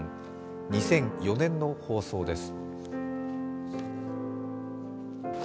２００４年の放送です。